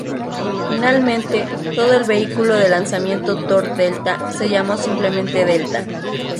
Finalmente, todo el vehículo de lanzamiento Thor-Delta se llamó simplemente "Delta".